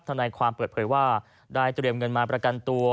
นายความเปิดเผยว่าได้เตรียมเงินมาประกันตัว